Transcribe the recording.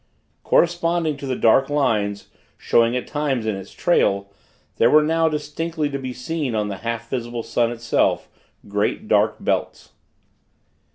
Corresponding to the dark lines, showing at times in its trail, there were now distinctly to be seen on the half visible sun itself, great, dark belts.